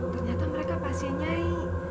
ternyata mereka pasien nyai